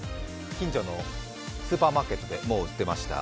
近所のスーパーマーケットでもう売っていました。